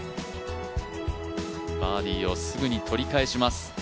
バーディーをすぐに取り返します。